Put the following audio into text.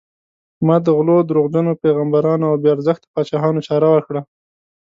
ما د غلو، دروغجنو پیغمبرانو او بې ارزښته پاچاهانو چاره وکړه.